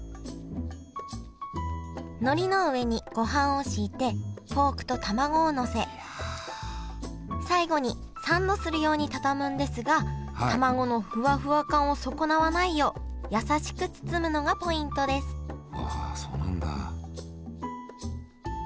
のりの上にごはんを敷いてポークとたまごをのせ最後にサンドするように畳むんですがたまごのふわふわ感を損なわないようやさしく包むのがポイントですわあそうなんだ。